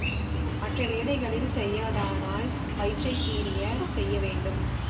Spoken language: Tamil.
மற்ற வேளைகளில் செய்வதானால் வயிற்றைக் கீறியே செய்யவேண்டும்.